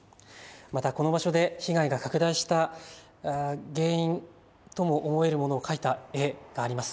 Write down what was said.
また、この場所で被害が拡大した原因とも思えるものを描いた絵があります。